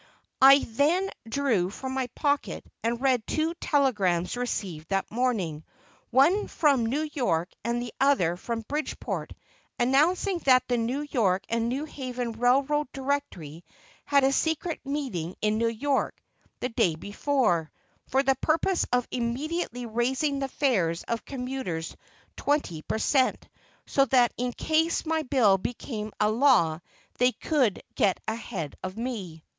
I then drew from my pocket and read two telegrams received that morning, one from New York and the other from Bridgeport, announcing that the New York and New Haven Railroad Directory had held a secret meeting in New York, the day before, for the purpose of immediately raising the fares of commuters twenty per cent, so that in case my bill became a law they could get ahead of me.